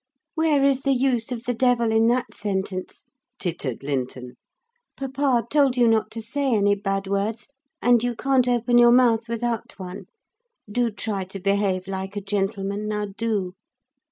"Where is the use of the devil in that sentence?" tittered Linton. "Papa told you not to say any bad words, and you can't open your mouth without one. Do try to behave like a gentleman, now do!"